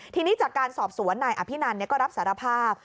ทีนี้จากการสอบสวนนายอภินันก็รับสารภาพ